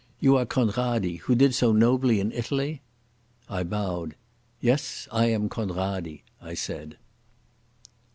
You are Conradi, who did so nobly in Italy?" I bowed. "Yes, I am Conradi," I said.